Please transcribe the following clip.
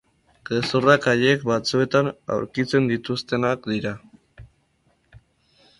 Gezurrak, haiek batzuetan aurkitzen dituztenak dira.